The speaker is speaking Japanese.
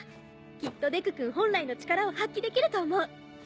きっとデク君本来の力を発揮できると思う。